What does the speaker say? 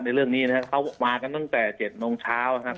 เรื่องนี้นะครับเขามากันตั้งแต่๗โมงเช้านะครับ